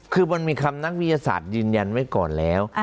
คือมันมีคำนักวิทยาศาสตร์ยืนยันไว้ก่อนแล้ว